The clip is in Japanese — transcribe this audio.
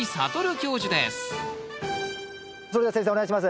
それでは先生お願いします。